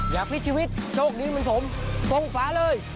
อย่าพลิกชีวิตโชคดีเหมือนผมทรงฝาเลย